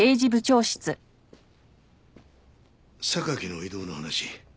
榊の異動の話